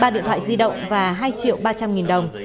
ba điện thoại di động và hai triệu ba trăm linh nghìn đồng